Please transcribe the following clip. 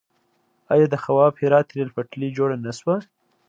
آیا د خواف هرات ریل پټلۍ جوړه نه شوه؟